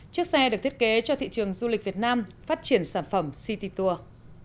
chiếc xe được thiết kế cho thị trường du lịch việt nam phát triển sản phẩm citytour